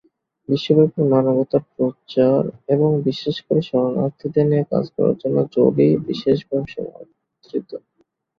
বিশ্বব্যাপী মানবতার প্রচার, এবং বিশেষ করে শরণার্থীদের নিয়ে কাজ করার জন্য জোলি বিশেষভাবে সমাদৃত।